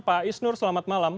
pak isnur selamat malam